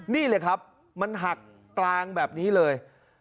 นี่เลยครับมันหักกลางแบบนี้เลย